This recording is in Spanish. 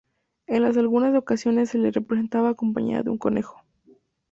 En algunas ocasiones se le representaba acompañada de un conejo.